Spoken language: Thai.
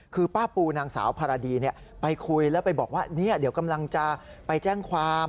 คือป้าปูนางสาวภารดีไปคุยแล้วไปบอกว่าเดี๋ยวกำลังจะไปแจ้งความ